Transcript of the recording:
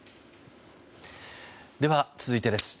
では、続いてです。